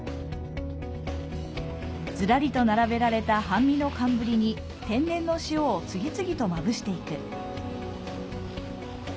ずらりと並べられた半身の寒ブリに天然の塩を次々とまぶしていく。